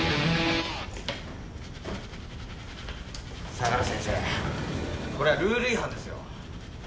相良先生これはルール違反ですよ！